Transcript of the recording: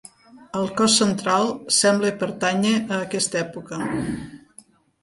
El cos central sembla pertànyer a aquesta època.